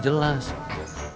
kalau musun hari ini